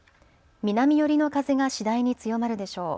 南寄りの風が次第に強まるでしょう。